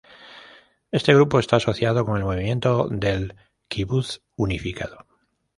Este grupo está asociado con el movimiento del kibutz unificado.